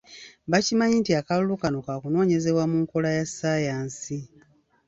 Bakimanyi nti akalulu kano kakunoonyezebwa mu nkola ya ssayansi.